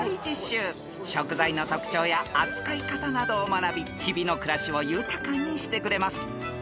［食材の特徴や扱い方などを学び日々の暮らしを豊かにしてくれます］